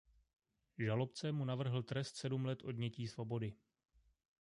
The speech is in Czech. Žalobce mu navrhl trest sedm let odnětí svobody.